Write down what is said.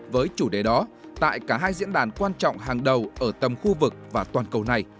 với chủ đề đó tại cả hai diễn đàn quan trọng hàng đầu ở tầm khu vực và toàn cầu này